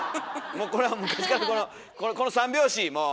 もうこれは昔からこの三拍子もう！